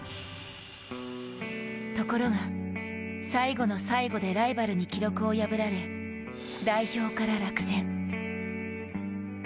ところが、最後の最後でライバルに記録を破られ代表から落選。